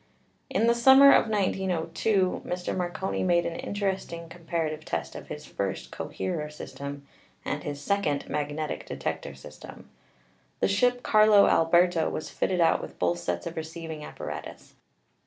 In the summer of 1902 Mr. Marconi made an interesting comparative test of his first (coherer) system and his second (magnetic detector) system. The ship "Carlo Alberto" was fitted out with both sets of receiving appa ratus.